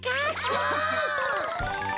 お！